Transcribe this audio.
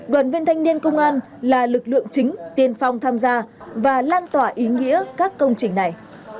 đoàn viên thanh niên công an là lực lượng chính tiên phong tham gia và lan tỏa ý nghĩa các công trình này